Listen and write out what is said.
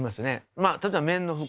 まあ例えば綿の服